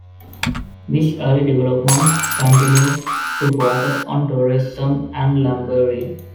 This early development continued to focus on tourism and lumbering.